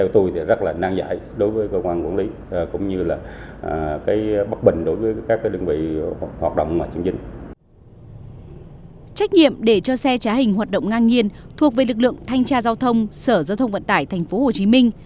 trách nhiệm để cho xe trá hình hoạt động ngang nhiên thuộc về lực lượng thanh tra giao thông sở giao thông vận tải tp hcm